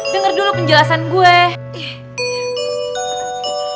dengar dulu penjelasan saya